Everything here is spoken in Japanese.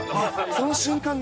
その瞬間が。